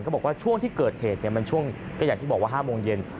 ก็บอกว่าช่วงที่เกิดเหตุอย่างที่บอกว่า๕โมงเย็น